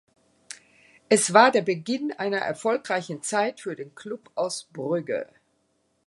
Es war der Beginn einer erfolgreichen Zeit für den Club aus Brügge.